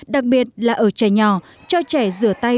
đặc biệt là ở trẻ nhỏ cho trẻ rửa tay